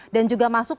dan juga masuk